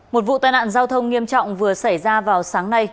một vụ tai nạn giao thông nghiêm trọng vừa xảy ra vào sáng nay